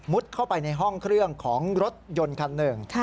เข้าไปในห้องเครื่องของรถยนต์คันหนึ่ง